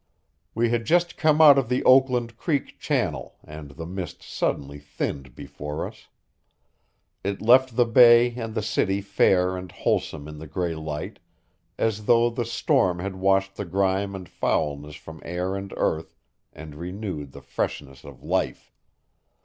We had just come out of the Oakland Creek channel and the mist suddenly thinned before us. It left the bay and the city fair and wholesome in the gray light, as though the storm had washed the grime and foulness from air and earth and renewed the freshness of life.